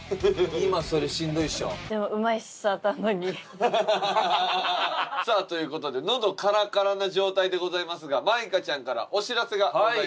今それしんどいっしょ？さあという事でのどカラカラな状態でございますが舞香ちゃんからお知らせがございます。